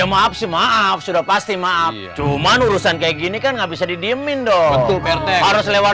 ya maaf sih maaf sudah pasti maaf cuman urusan kayak gini kan nggak bisa didiemin dong tuh harus lewat